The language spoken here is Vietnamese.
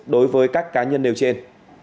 đối với các cá nhân nêu trên